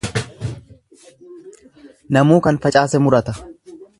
Namuu kan facaase murata.